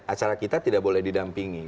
acara kita tidak boleh didampingi